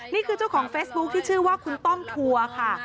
นี่คือเจ้าของเฟซบุ๊คที่ชื่อว่าคุณต้อมทัวร์ค่ะ